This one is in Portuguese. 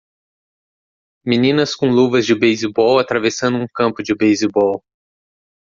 meninas com luvas de beisebol atravessando um campo de beisebol